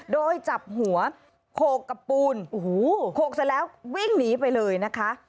โดยจับหัวโขกกับปูนโขกเสร็จแล้ววิ่งหนีไปเลยนะคะ